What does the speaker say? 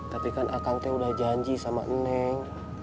tapi kan akang teh udah janji sama neng